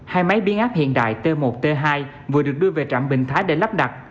hai máy biến áp hiện đại t một t hai vừa được đưa về trạm bình thái để lắp đặt